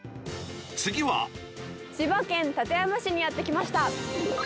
千葉県館山市にやって来ました。